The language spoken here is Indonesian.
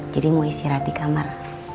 jadi mau istirahat di kamar